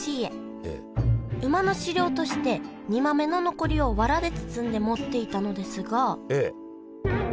馬の飼料として煮豆の残りをわらで包んで持っていたのですがええ。